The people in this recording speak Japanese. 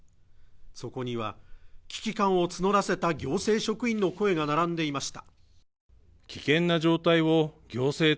そこには危機感を募らせた行政職員の声が並んでいました